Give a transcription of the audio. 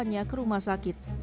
pembangunannya ke rumah sakit